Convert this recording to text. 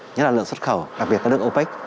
nhất là lượng xuất khẩu đặc biệt là nước opec